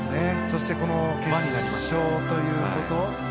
そしてこの結晶ということ。